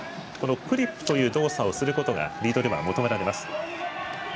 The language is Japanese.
クリップという動作をすることがリードでは求められます。